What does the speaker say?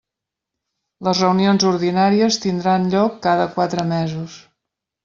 Les reunions ordinàries tindran lloc cada quatre mesos.